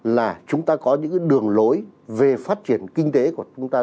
là chúng ta có những cái đường lối về phát triển kinh tế của chúng ta rất rõ